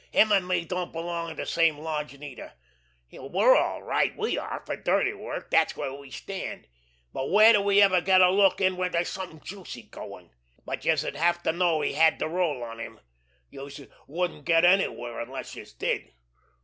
"Him an' me don't belong to de same lodge neither. We're all right, we are, fer dirty work, dat's where we stand; but where do we ever get a look in when dere's anything juicy goin'! But youse'd have to know he had de roll on him. Youse wouldn't get anywhere unless youse did.